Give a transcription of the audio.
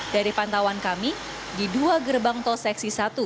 dari pantauan kami di dua gerbang tol seksi satu